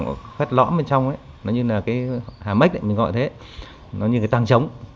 nó như là cái hà mếch mình gọi thế nó như cái tăng trống